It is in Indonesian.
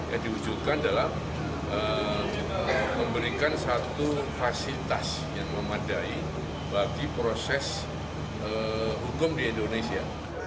yang diwujudkan adalah memberikan satu fasilitas yang memadai bagi proses hukum di indonesia